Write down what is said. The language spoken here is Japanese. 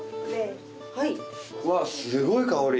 わすごい香り。